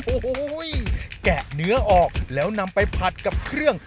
โอ้โหแกะเนื้อออกแล้วนำไปผัดกับเครื่อง